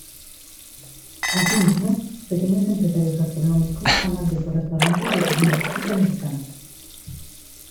Asimismo, pequeños empresarios gastronómicos han abierto restaurantes de comida típica mexicana.